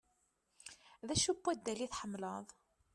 D acu n waddal i tḥemmleḍ?